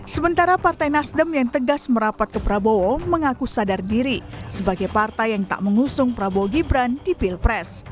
sementara partai nasdem yang tegas merapat ke prabowo mengaku sadar diri sebagai partai yang tak mengusung prabowo gibran di pilpres